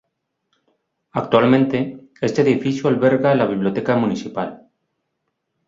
Actualmente, este edificio alberga la biblioteca municipal.